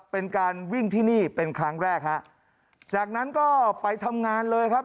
เป็นการวิ่งที่นี่เป็นครั้งแรกฮะจากนั้นก็ไปทำงานเลยครับ